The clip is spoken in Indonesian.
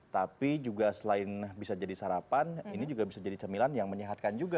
tapi juga selain bisa jadi sarapan ini juga bisa jadi cemilan yang menyehatkan juga